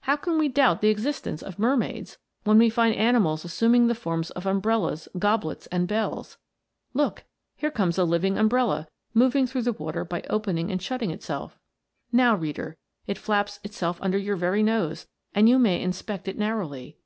How can we doubt the existence of mermaids, when we find animals assuming the forms of umbrellas, goblets, and bells ! Look ! here comes a living umbrella, moving through the water by open ing and shutting itself. Now, readeYjs^t flaps itself under your very nose, and you may inspect it nar rowly.